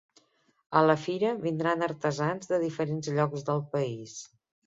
A la fira vindran artesans de diferents llocs del país.